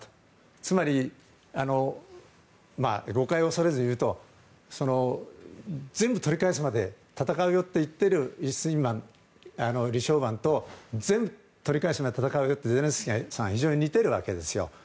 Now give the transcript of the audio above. つまり、誤解を恐れずに言うと全部取り返すまで戦いをやめないと言っている李承晩大統領と全部取り返すまで戦うよというゼレンスキーさんは非常に似ているわけです。